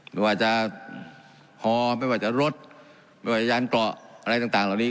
ไม่ว่าจะฮอไม่ว่าจะรถไม่ว่าจะยานเกราะอะไรต่างเหล่านี้